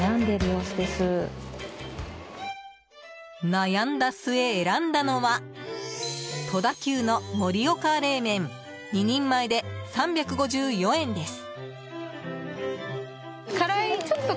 悩んだ末、選んだのは戸田久のもりおか冷麺２人前で３５４円です。